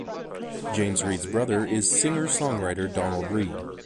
James Reid's brother is singer-songwriter Donald Reid.